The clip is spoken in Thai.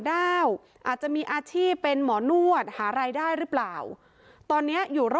ดาวอาจจะมีอาชีพเป็นหมอนวดหารายได้หรือเปล่าตอนนี้อยู่รอ